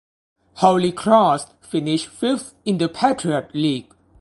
Holy Cross finished fifth in the Patriot League.